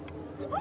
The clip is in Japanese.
あ！